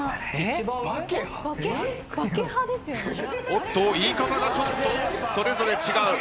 おっと言い方がちょっとそれぞれ違う。